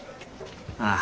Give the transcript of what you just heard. ああ。